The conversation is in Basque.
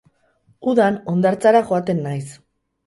Udan hondartzara joaten naiz